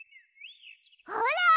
ほら！